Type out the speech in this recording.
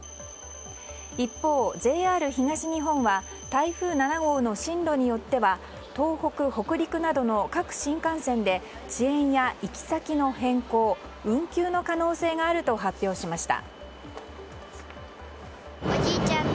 一方、ＪＲ東日本は台風７号の進路によっては東北、北陸などの各新幹線で遅延や行先の変更運休の可能性があると発表しました。